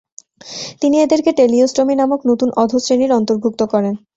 তিনি এদেরকে টেলিওস্টোমি নামক নতুন অধঃশ্রেণীর অন্তর্ভুক্ত করেন।